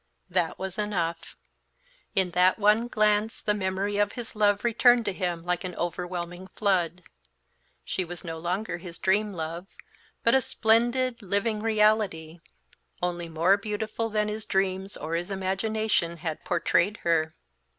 That was enough; in that one glance the memory of his love returned to him like an overwhelming flood. She was no longer his Dream Love, but a splendid, living reality, only more beautiful than his dreams or his imagination had portrayed her.